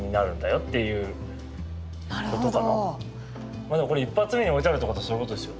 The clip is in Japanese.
まあでもこれ一発目に置いてあるってことはそういうことですよね。